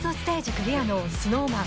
クリアのＳｎｏｗＭａｎ